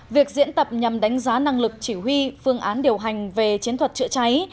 việc diễn tập nhằm đánh giá năng lực chỉ huy phương án điều hành về chiến thuật chữa cháy